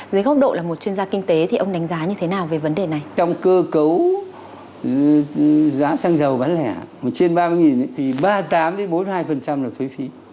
dưới góc độ là một chuyên gia kinh tế thì ông đánh giá như thế nào về vấn đề này